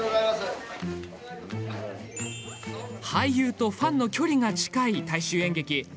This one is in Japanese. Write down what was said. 俳優とファンの距離が近い大衆演劇。